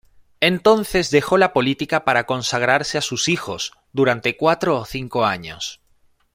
Entonces dejó la política para consagrarse a sus hijos durante cuatro o cinco años.